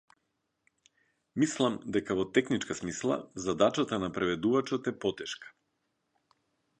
Мислам дека во техничка смисла задачата на преведувачот е потешка.